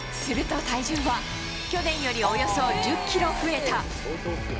すると体重は、去年よりおよそ１０キロ増えた。